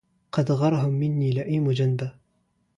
قد غرهم مني لئيم جنبا